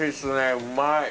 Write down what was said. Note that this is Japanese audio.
うまい。